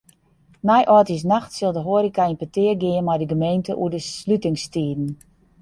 Nei âldjiersnacht sil de hoareka yn petear gean mei de gemeente oer de slutingstiden.